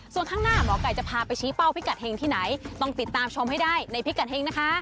ส่วนข้างหน้าหมอไก่จะพาไปชี้เป้าพิกัดเฮงที่ไหนต้องติดตามชมให้ได้ในพิกัดเฮงนะคะ